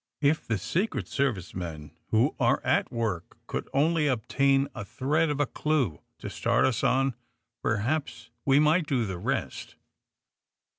If the Secret Service men who are at work could only obtain a thread of a clue to start us on, perhaps we might do the rest.